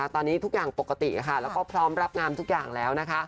ตอนนี้ทุกอย่างปกติแล้วก็พร้อมรับงามทุกอย่างแล้วนะคะ